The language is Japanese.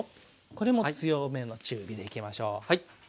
これも強めの中火でいきましょう。